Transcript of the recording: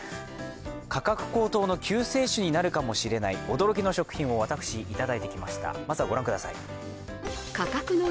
価格高騰の救世主になるかもしれない驚きの食品を私、いただいてきました。